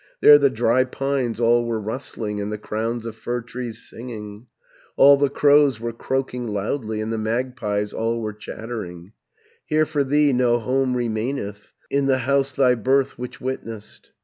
There the dry pines all were rustling, And the crowns of fir trees singing, All the crows were croaking loudly, And the magpies all were chattering, "'Here for thee no home remaineth, In the house thy birth which witnessed.'